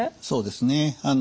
そうですね。